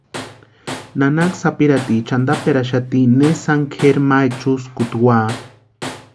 Nanaka sapirhatiecha antaperaxati ne sáni kʼeri ma echuskuta úa .